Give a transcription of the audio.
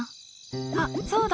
あっ、そうだ。